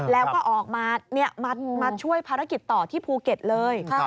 แล้วก็ออกมาช่วยภารกิจต่อที่ภูเก็ตเลย